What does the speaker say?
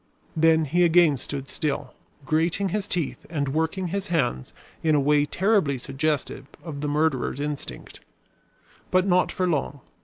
Then he again stood still, grating his teeth and working his hands in a way terribly suggestive of the murderer's instinct. But not for long.